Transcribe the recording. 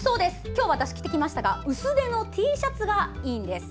今日私、着てきましたが薄手のＴシャツがいいんです。